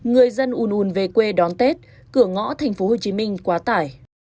người dân ùn ùn về quê đón tết cửa ngõ tp hcm quá tải